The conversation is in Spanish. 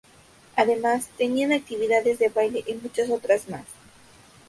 Además, tenían actividades de baile y muchas otras más.